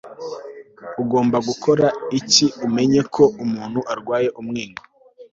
ugomba gukora iki umenye ko umuntu arwaye umwingo